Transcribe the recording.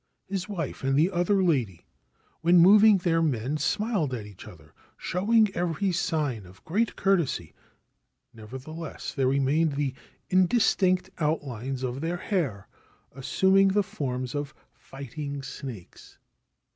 His wife and the other lady, when moving their men, smiled at each other, showing every sign of great courtesy ; nevertheless, there remained the indistinct outlines of their hair assuming the forms of fighting snakes.